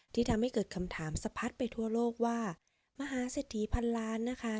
ที่ทำให้เกิดคำถามสะพัดไปทั่วโลกว่ามหาเศรษฐีพันล้านนะคะ